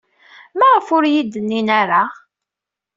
Maɣef ur iyi-d-nnin ara?